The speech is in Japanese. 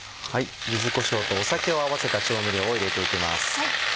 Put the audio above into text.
柚子こしょうと酒を合わせた調味料を入れていきます。